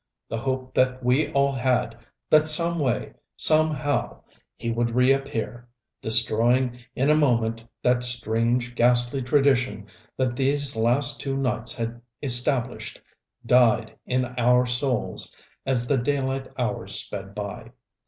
The hope that we all had, that some way, some how he would reappear destroying in a moment that strange, ghastly tradition that these last two nights had established died in our souls as the daylight hours sped by.